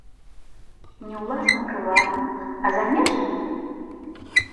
Не ўласным прыватным, а замежным?